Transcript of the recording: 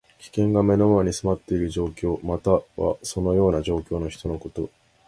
危険が目の前に迫っている状況。または、そのような状況の人のこと。